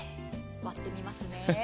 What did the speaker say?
待ってみますね。